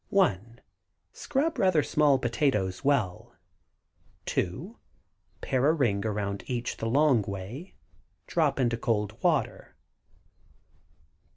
1. Scrub rather small potatoes well. 2. Pare a ring around each the long way; drop into cold water.